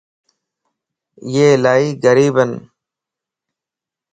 اي الائي غريبن